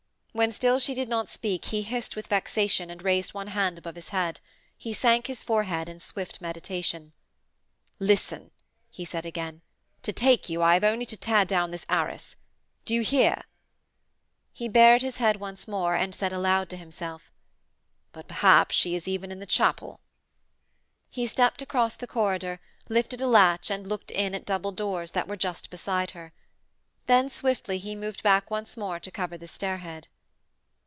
When still she did not speak he hissed with vexation and raised one hand above his head. He sank his forehead in swift meditation. 'Listen,' he said again. 'To take you I have only to tear down this arras. Do you hear?' He bared his head once more and said aloud to himself, 'But perhaps she is even in the chapel.' He stepped across the corridor, lifted a latch and looked in at double doors that were just beside her. Then, swiftly, he moved back once more to cover the stairhead.